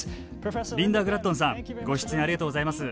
リンダ・グラットンさんご出演、ありがとうございます。